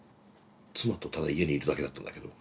妻とただ家にいるだけだったんだけど。